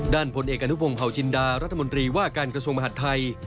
ผลเอกอนุพงศ์เผาจินดารัฐมนตรีว่าการกระทรวงมหาดไทย